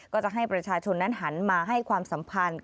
ก็จะให้ประชาชนนั้นหันมาให้ความสัมพันธ์